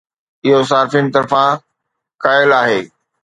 اهو صارفين طرفان قائل آهي